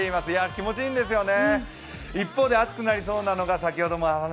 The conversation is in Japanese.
気持ちいいんですよね。